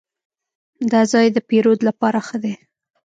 دا ځای د پیرود لپاره ښه دی.